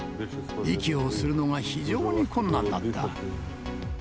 息をするのが非常に困難だった。